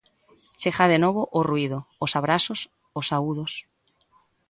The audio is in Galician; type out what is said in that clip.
Chega de novo o ruído, os abrazos, os saúdos...